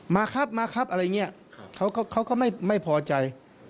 มาครับมาครับอะไรอย่างนี้เขาก็ไม่พอใจ